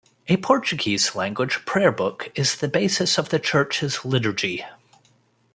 A Portuguese language Prayer Book is the basis of the Church's liturgy.